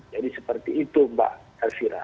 jadi seperti itu mbak karsira